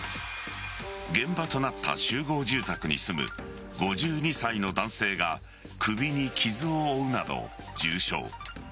現場となった集合住宅に住む５２歳の男性が首に傷を負うなど重傷。